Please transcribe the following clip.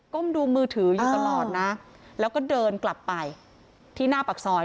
้มดูมือถืออยู่ตลอดนะแล้วก็เดินกลับไปที่หน้าปากซอย